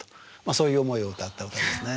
そういう思いを歌った歌ですね。